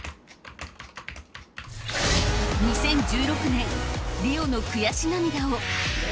ＪＴ２０１６年リオの悔し涙を。